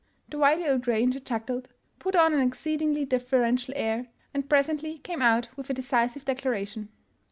The wily old ranger chuckled, put on an exceedingly deferential air, and presently came out with a decisive declaration.